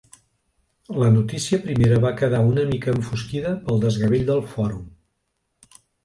La notícia primera va quedar una mica enfosquida pel desgavell del Fòrum.